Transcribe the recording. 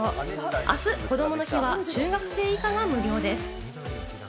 明日、こどもの日は中学生以下が無料です。